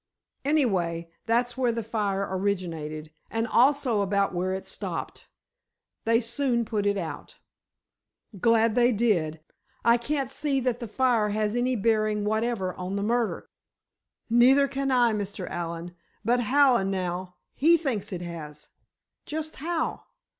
Anyway, that's where the fire originated, and also about where it stopped. They soon put it out." "Glad they did. I can't see that the fire has any bearing whatever on the murder." "Neither can I, Mr. Allen. But Hallen, now, he thinks it has." "Just how?"